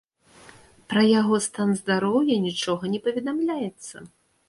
Пра яго стан здароўя нічога не паведамляецца.